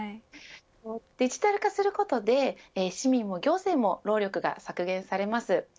デジタル化することで市民も行政も労力が削減されます。